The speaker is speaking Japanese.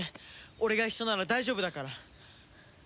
俺が一緒なら大丈夫だから。